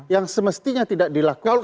yang semestinya tidak dilakukan